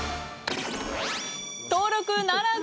登録ならず！